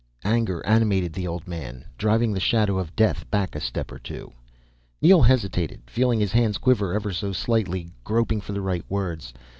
Anger animated the old man, driving the shadow of death back a step or two. Neel hesitated, feeling his hands quiver ever so slightly, groping for the right words.